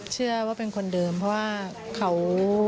เชื่อว่าเป็นคนเดิมเพราะว่าเขา